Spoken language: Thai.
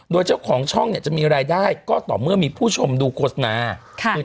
โดยเจ้าของช่องเนี่ยจะมีรายได้ก็ต่อเมื่อมีผู้ชมดูโฆษณาค่ะ